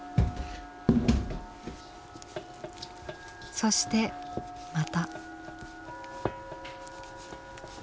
そしてまた。